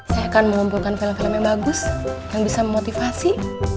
saya akan mengumpulkan film film yang bagus yang bisa memotivasi